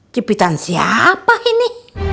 cepetan siapa ini